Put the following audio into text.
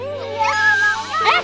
renan renan renan renan